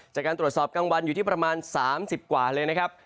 จากการตรวจสอบกลางวันอยู่ที่ประมาณ๓๐กว่าเลยนะครับ